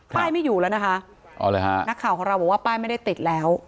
ไม่อยู่แล้วนะคะนักข่าวของเราบอกว่าป้ายไม่ได้ติดแล้ว